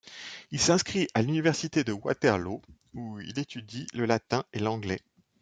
Il s'inscrit à l'Université de Waterloo où il étudie le latin et l'anglais.